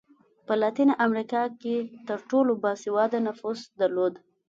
په لاتینه امریکا کې تر ټولو با سواده نفوس درلود.